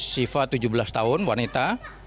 siva tujuh belas tahun wanita